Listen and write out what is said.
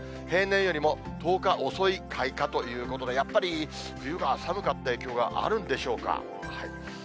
平年よりも１０日遅い開花ということで、やっぱり冬が寒かった影響があるんでしょうか。